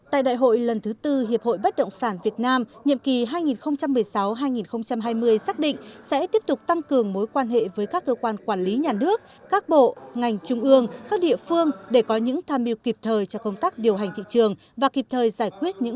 tại đại hội lần thứ tư hiệp hội bất động sản việt nam nhiệm kỳ hai nghìn một mươi sáu hai nghìn hai mươi xác định sẽ tiếp tục tăng cường mối quan hệ với các cơ quan quản lý nhà nước các bộ ngành trung ương các địa phương để có những tham mưu kịp thời cho công tác điều hành thị trường và kịp thời cho các cơ quan quản lý nhà nước